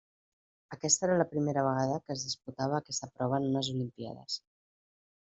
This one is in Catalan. Aquesta era la primera vegada que es disputava aquesta prova en unes Olimpíades.